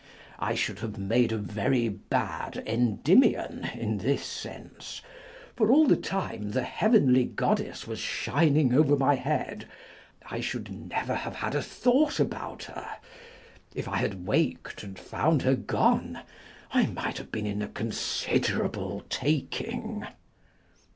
I should have made a very bad Endymion, in this sense ; for all the time the heavenly Goddess was shining over my head, I should never have had a thought about her. If I had waked and found her gone, I might have been in a considerable talcing.